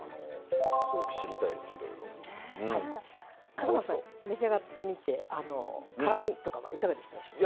笠松さん召し上がってみて辛みとかはいかがでしたでしょうか？